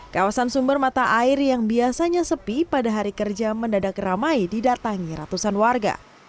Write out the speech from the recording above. kawasan sumber mata air yang biasanya sepi pada hari kerja mendadak ramai didatangi ratusan warga